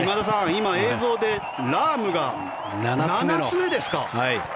今、映像でラームが７つ目ですか。